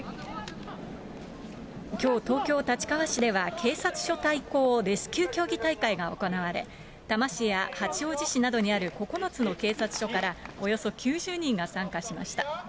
きょう、東京・立川市では警察署対抗レスキュー競技大会が行われ、多摩市や八王子市などにある９つの警察署から、およそ９０人が参加しました。